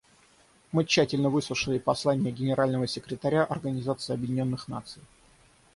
Мы тщательно выслушали послание Генерального секретаря Организации Объединенных Наций.